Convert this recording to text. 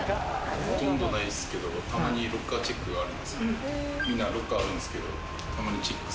ほとんどないですけれど、たまにロッカーチェックがある。